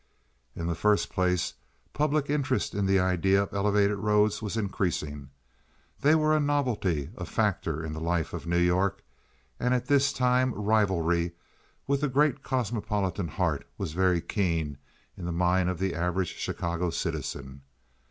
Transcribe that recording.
In the first place, public interest in the idea of elevated roads was increasing. They were a novelty, a factor in the life of New York; and at this time rivalry with the great cosmopolitan heart was very keen in the mind of the average Chicago citizen.